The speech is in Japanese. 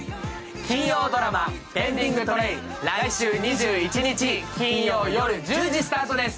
金曜ドラマ「ペンディングトレイン」、来週２１日金曜夜１０時スタートです。